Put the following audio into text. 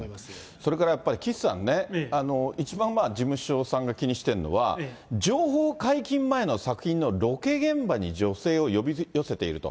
それから、やっぱり岸さんね、一番事務所さんが気にしてるのは、情報解禁前の作品のロケ現場に女性を呼び寄せていると。